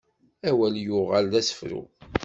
Awal yuɣal d asefru.